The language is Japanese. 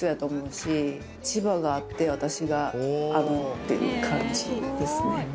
っていう感じですね。